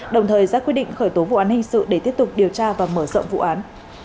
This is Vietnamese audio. đồng thời ra quyết định khởi tố vụ án hình sự để tiếp tục điều tra và mở rộng vụ án